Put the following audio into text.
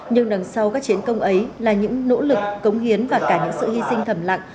nhưng đằng sau các chiến công ấy là những nỗ lực cống hiến và cả những sự hy sinh thầm lặng